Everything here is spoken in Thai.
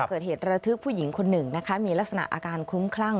เกิดเหตุระทึกผู้หญิงคนหนึ่งนะคะมีลักษณะอาการคลุ้มคลั่ง